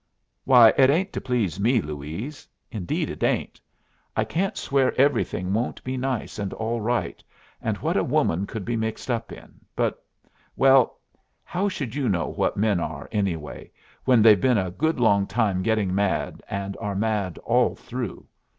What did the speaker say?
"Why, it ain't to please me, Louise; indeed it ain't. I can't swear everything won't be nice and all right and what a woman could be mixed up in, but well, how should you know what men are, anyway, when they've been a good long time getting mad, and are mad all through?